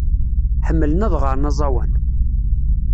Ḥemmlen ad ɣren aẓawan.